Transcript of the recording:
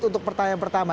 untuk pertanyaan pertama